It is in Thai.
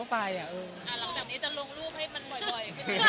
ถ้าเขาแต่งหน้าก็เดี๋ยวค่อยว่ากันดีกว่า